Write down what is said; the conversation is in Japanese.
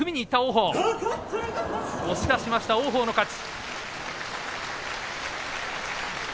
押し出しました、王鵬の勝ち。